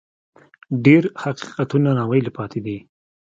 ډېر حقیقتونه ناویلي پاتې دي.